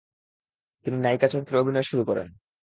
তিনি নায়িকা চরিত্রে অভিনয় শুরু করেন।